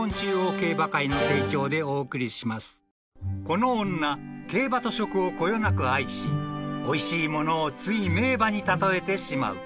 ［この女競馬と食をこよなく愛しおいしいものをつい名馬に例えてしまう］